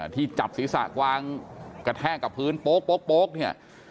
ที่จับศีรษะกวางกระแทกกับพื้นโป๊กเนี่ย